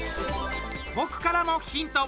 僕からもヒント。